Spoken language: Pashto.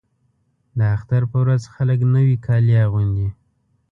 د اختر په ورځ خلک نوي کالي اغوندي.